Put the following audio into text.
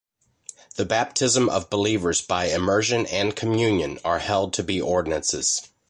The baptism of believers by immersion and Communion are held to be ordinances.